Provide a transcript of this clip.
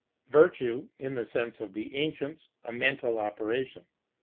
Virtue, in the sense of the ancients, a mental operation.